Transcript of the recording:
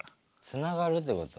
つながるってこと？